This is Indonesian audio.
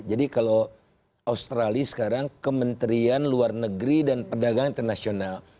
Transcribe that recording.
jadi kalau australia sekarang kementerian luar negeri dan perdagangan internasional